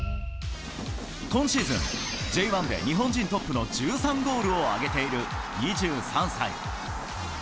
今シーズン、Ｊ１で日本人トップの１３ゴールを挙げている２３歳。